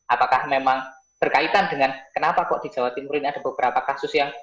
apakah memang berkaitan dengan kenapa kok di jawa timur ini ada beberapa kasus yang